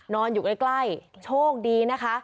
นอนอยู่ใกล้โชคดีนะคะ